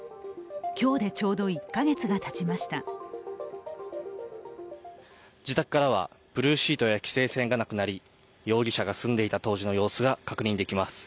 今日でちょうど１か月がたちました自宅からはブルーシートや規制線がなくなり、容疑者が住んでいた当時の様子が確認できます。